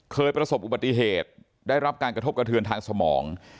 เคยประสบอุบัติเหตุได้รับการกระทบกระเทือนทางสมอง